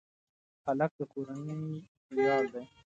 هلک د کورنۍ ویاړ دی.